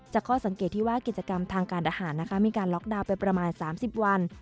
ข้อสังเกตที่ว่ากิจกรรมทางการทหารนะคะมีการล็อกดาวน์ไปประมาณ๓๐วัน